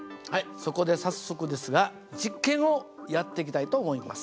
そこで早速ですが実験をやっていきたいと思います。